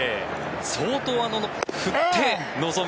相当振って臨む